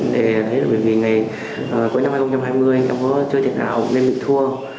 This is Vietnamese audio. để thấy là bởi vì ngày cuối năm hai nghìn hai mươi em có chơi thiệt hảo nên mình thua